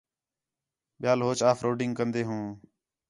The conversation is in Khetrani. ٻِیال ہوچ آ ف روڈنگ کندے ہوں